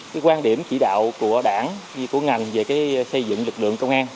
cái quan điểm chỉ đạo của đảng của ngành về xây dựng lực lượng công an